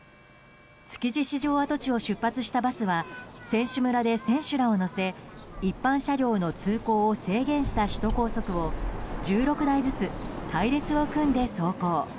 築地市場跡地を出発したバスは選手村で選手らを乗せ一般車両の通行を制限した首都高速を１６台ずつ隊列を組んで走行。